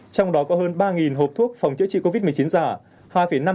trong đó có hơn ba hộp thuốc phòng chữa trị covid một mươi chín giả